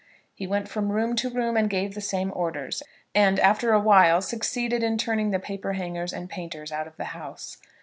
He went from room to room and gave the same orders, and, after a while, succeeded in turning the paper hangers and painters out of the house.